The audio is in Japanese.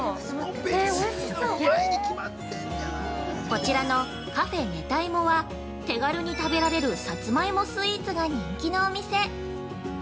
◆こちらのカフェネタイモは手軽に食べられるさつまいもスイーツが人気のお店。